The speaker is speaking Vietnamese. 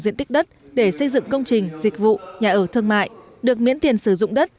diện tích đất để xây dựng công trình dịch vụ nhà ở thương mại được miễn tiền sử dụng đất